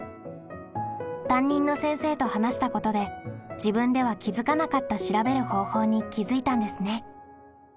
担任の先生と話したことで自分では気づかなかった調べる方法に気づいたんですね。